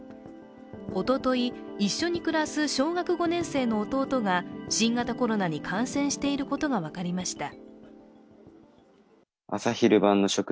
おととい、一緒に暮らす小学５年生の弟が新型コロナに感染していることが分かりました。